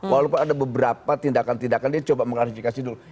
walaupun ada beberapa tindakan tindakan dia coba mengklarifikasi dulu